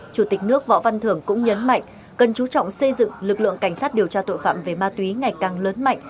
chủ tịch nước võ văn thưởng cũng nhấn mạnh cần chú trọng xây dựng lực lượng cảnh sát điều tra tội phạm về ma túy ngày càng lớn mạnh